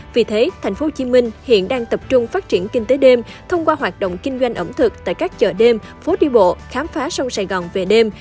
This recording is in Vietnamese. vì thế tp hcm hiện đang tập trung phát triển kinh tế đêm thông qua hoạt động kinh doanh ẩm thực tại các chợ đêm phố đi bộ khám phá sông sài gòn về đêm